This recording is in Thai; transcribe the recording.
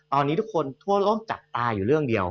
ตอนนี้ทุกคนทั่วโลกจับตาอยู่เรื่องเดียว